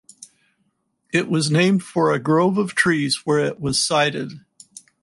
It was named for a grove of trees where it was sited.